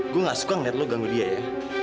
gue nggak suka liat lu ganggu dia ya